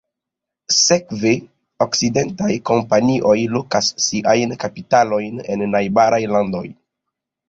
Sekve, okcidentaj kompanioj lokas siajn kapitalojn en najbaraj landoj.